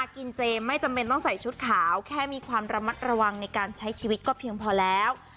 กินเจไม่จำเป็นต้องใส่ชุดขาวแค่มีความระมัดระวังในการใช้ชีวิตก็เพียงพอแล้ว